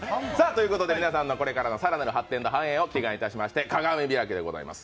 皆さんのこれからの更なる発展と繁栄を祈願いたしまして鏡開きでございます。